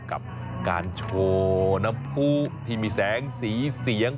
กับการโชว์น้ำผู้ที่มีแสงสีเสียง